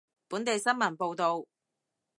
本地新聞報道